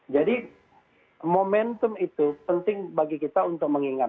jadi momentum itu penting bagi kita untuk mengingatkan